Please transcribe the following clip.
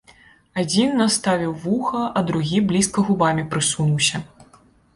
Адзін наставіў вуха, а другі блізка губамі прысунуўся.